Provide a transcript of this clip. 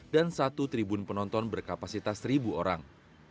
dan satu tribun penonton berkapasitas seribu orang